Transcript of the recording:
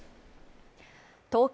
東京